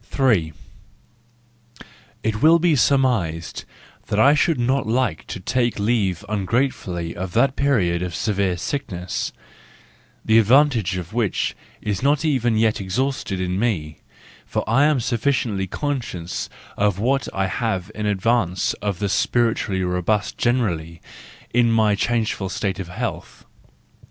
... 3 It will be surmised that I should not like to take leave ungratefully of that period of severe sickness, the advantage of which is not even yet exhausted in me: for I am sufficiently conscious of what I have in advance of the spiritually robust generally, in my changeful state of health.